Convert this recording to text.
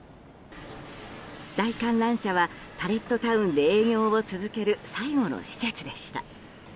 大観覧車はパレットタウンで営業を続ける最後の施設でした。